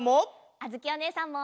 あづきおねえさんも！